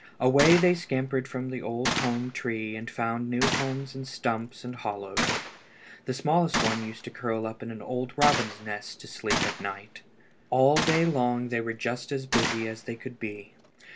Away they scampered from the old home tree and found new homes in stumps and hollows. The smallest one used to curl up in an old robin's nest to sleep at night. All day long they were just as busy as they could be.